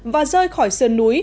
và rơi khỏi sườn núi